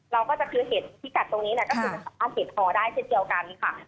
เราก็จะคือเห็นที่กัดตรงนี้เนี่ยก็ถูกเห็นคอได้เช่นเดียวกันค่ะ